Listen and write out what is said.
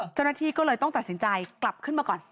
เจ้าหน้าที่ก็เลยต้องตัดสินใจกลับขึ้นมาก่อน